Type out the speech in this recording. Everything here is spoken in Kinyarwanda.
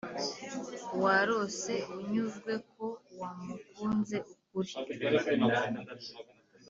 warose, unyuzwe ko wamukunze ukuri,